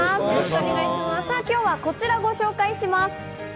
今日はこちらをご紹介します。